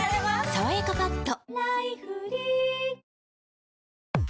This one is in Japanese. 「さわやかパッド」